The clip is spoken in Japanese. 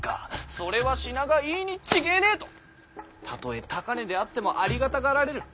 それは品がいいに違えねぇ」とたとえ高値であってもありがたがられる。